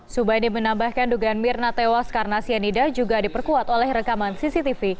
subadi menambahkan dugaan mirna tewas karena cyanida juga diperkuat oleh rekaman cctv